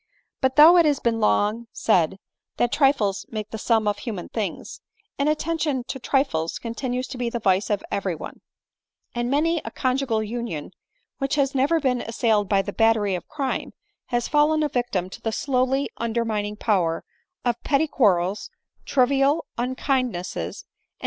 But though it has been long said that trifles make the sum of human things, inattention to trifles continues to be the vice of every one ; and many a conjugal union which has never been assailed by the battery of crime, has fallen a victim to the slowly undermining power of petty quarrels, trivial unkindnesses and